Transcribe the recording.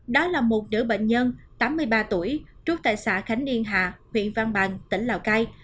đó là một đứa bệnh nhân tám mươi ba tuổi trúc tại xã khánh yên hà huyện văn bằng tỉnh lào cai